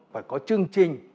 phải có chương trình